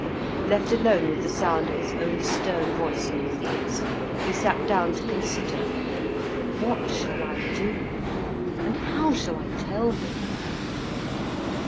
Left alone with the sound of his own stern voice in his ears, he sat down to consider, What shall I do, and how shall I tell him?